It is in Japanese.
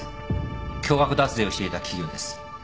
巨額脱税をしていた企業です。